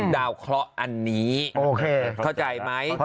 ดำเนินคดีต่อไปนั่นเองครับ